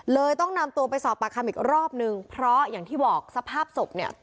ต้องนำตัวไปสอบปากคำอีกรอบนึงเพราะอย่างที่บอกสภาพศพเนี่ย